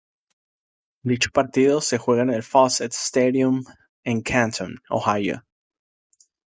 Dicho partido se juega en el Fawcett Stadium, en Canton, Ohio.